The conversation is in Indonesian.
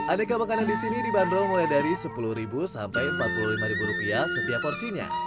aneka makanan disini dibanderol mulai dari sepuluh sampai empat puluh lima rupiah setiap porsinya